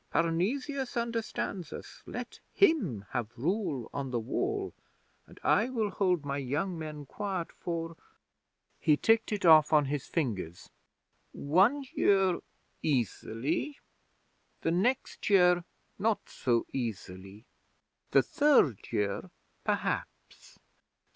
Parnesius understands us. Let him have rule on the Wall, and I will hold my young men quiet for" he ticked it off on his fingers "one year easily: the next year not so easily: the third year, perhaps!